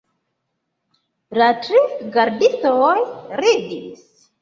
La tri gardistoj ridis.